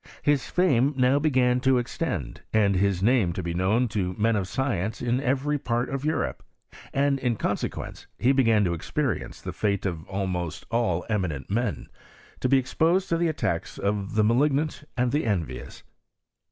His fame now began to extend, and his name to be known to men of science in every part of Europe; and, in consequence, lie began to experience the fate of almost all eminent men — to be exposed to the attacks of the malignant and the envious.